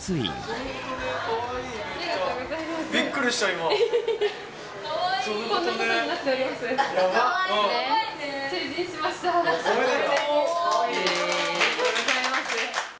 ありがとうございます。